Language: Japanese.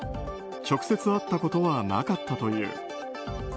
直接会ったことはなかったという。